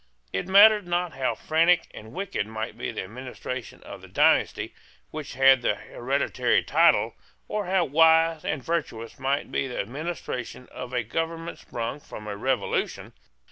It mattered not how frantic and wicked might be the administration of the dynasty which had the hereditary title, or how wise and virtuous might be the administration of a government sprung from a revolution.